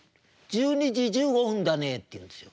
「１２時１５分だね」って言うんですよ。